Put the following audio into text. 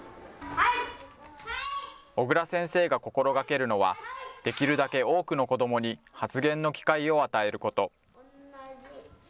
小椋先生が心がけるのは、できるだけ多くの子どもに、発言の機会を与えること。